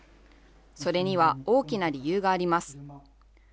それには大きな理由があります。